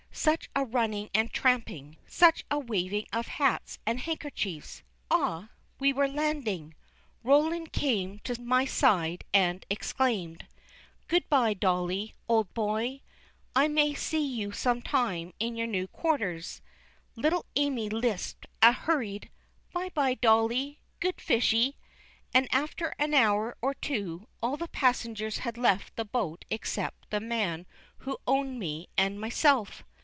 Such a running and tramping, such a waving of hats and handkerchiefs. Ah! we were landing. Roland came to my side and exclaimed: "Good by, Dolly, old boy! I may see you sometime in your new quarters." Little Amy lisped a hurried, "By, by, Dolly, good Fishy!" and after an hour or two, all the passengers had left the boat except the man who owned me and myself.